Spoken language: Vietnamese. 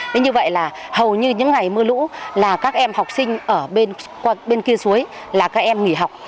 thế như vậy là hầu như những ngày mưa lũ là các em học sinh ở bên kia suối là các em nghỉ học